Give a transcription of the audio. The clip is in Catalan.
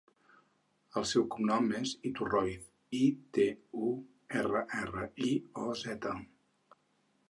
El seu cognom és Iturrioz: i, te, u, erra, erra, i, o, zeta.